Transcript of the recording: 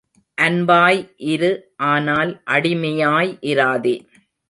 அன்பாய் இரு ஆனால் அடிமையாய் இராதே.